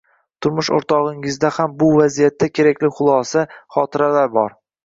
turmush o‘rtog‘ingizda ham bu vaziyatda kerakli xulosa, xotiralar bor.